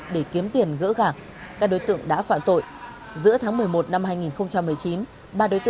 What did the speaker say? để tiếp tục làm sao